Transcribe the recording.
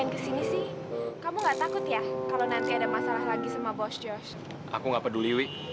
kamu kenapa sam